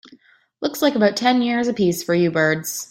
Looks like about ten years a piece for you birds.